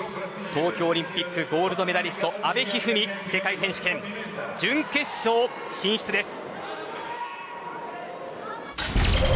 東京オリンピックゴールドメダリスト、阿部一二三世界選手権準決勝進出です。